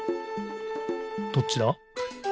どっちだ？